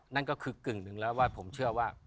นั่นก็คือกึ่งหนึ่งแล้วว่าผมเชื่อว่า